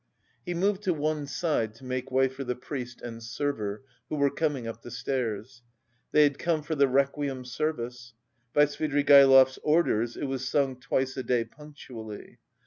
He moved to one side to make way for the priest and server, who were coming up the stairs. They had come for the requiem service. By Svidrigaïlov's orders it was sung twice a day punctually.